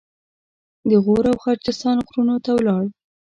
د غور او غرجستان غرونو ته ولاړ.